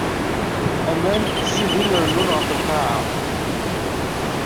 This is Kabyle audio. Aman ttzidin rennun ɣef lqaɛa.